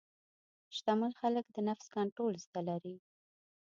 شتمن خلک د نفس کنټرول زده لري.